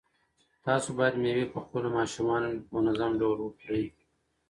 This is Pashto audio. تاسو باید مېوې په خپلو ماشومانو باندې په منظم ډول وخورئ.